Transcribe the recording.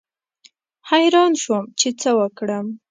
حیران شوم چې څه وکړم.